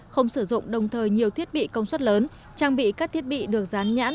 không sử dụng đồng thời nhiều thiết bị công suất lớn trang bị các thiết bị được rán nhãn